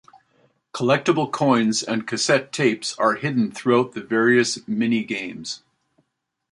Collectible coins and cassette tapes are hidden throughout the various minigames.